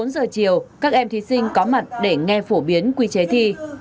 một mươi bốn giờ chiều các em thí sinh có mặt để nghe phổ biến quy chế thi